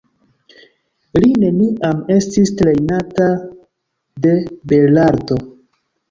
Li neniam estis trejnata de belarto.